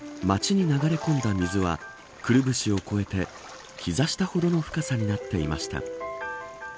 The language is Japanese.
町に流れ込んだ水はくるぶしを越えてひざ下ほどの深さになっていました。